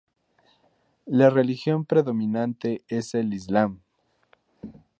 La religión predominante es el islam.